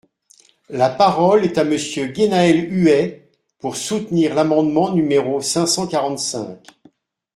La parole est à Monsieur Guénhaël Huet, pour soutenir l’amendement numéro cinq cent quarante-cinq.